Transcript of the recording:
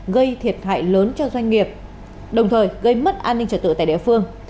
gây thiệt hại lớn cho doanh nghiệp đồng thời gây mất an ninh trật tự tại địa phương